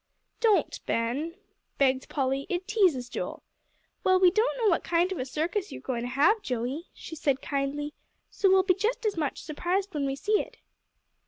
"Don't, Ben," begged Polly, "it teases Joel. Well, we don't know what kind of a circus you are going to have, Joey," she said kindly, "so we'll be just as much surprised when we see it."